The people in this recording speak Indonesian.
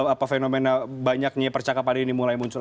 apa fenomena banyaknya percakapan ini mulai muncul